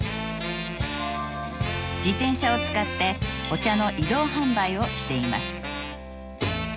自転車を使ってお茶の移動販売をしています。